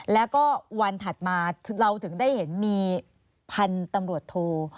แล้วก็วันถัดมาเราถึงได้เห็นมีพันธุ์ตำรวจโท